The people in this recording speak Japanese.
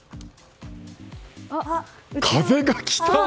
あ、風が来た！